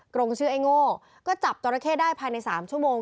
กรงชื่อไอ้โง่ก็จับจราเข้ได้ภายใน๓ชั่วโมง